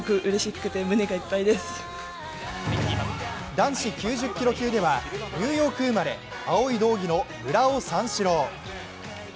男子９０キロ級では、ニューヨーク生まれ、青い道着の村尾三四郎。